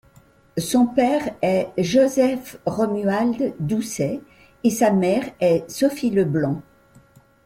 Son père est Joseph-Romuald Doucet et sa mère est Sophie LeBlanc.